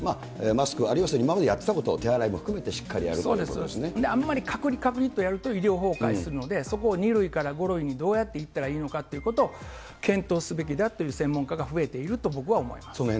マスク、あるいは今までやってたこと、手洗いも含めてしっかあんまり隔離、隔離とやると医療崩壊するので、そこを２類から５類にどうやっていったらいいのかということを検討すべきだという専門家が増えていると、僕は思います。